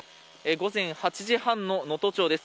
午前８時半の能登町です。